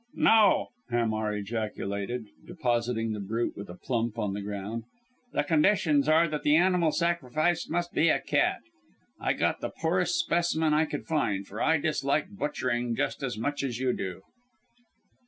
"No!" Hamar ejaculated, depositing the brute with a plump on the ground; "the conditions are that the animal sacrificed must be a cat. I got the poorest specimen I could find, for I dislike butchering just as much as you do."